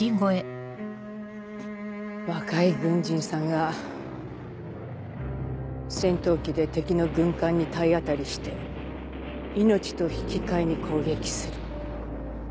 若い軍人さんが戦闘機で敵の軍艦に体当たりして命と引き換えに攻撃する。